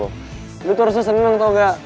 lo tuh harusnya seneng tau gak